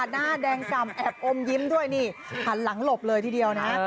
หน้าแดงกล่ำแอบอมยิ้มด้วยนี่หันหลังหลบเลยทีเดียวนะ